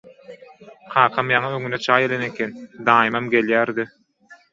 Kakam ýaňy öňüne çaý alan eken, daýymam gelýär-de